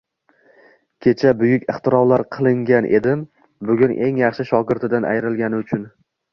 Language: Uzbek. Kecha buyuk ixtirolar qilgan olim, bugun eng yaxshi shogirdidan ayrilgani uchun